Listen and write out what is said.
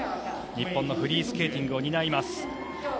日本のフリースケーティングを担います。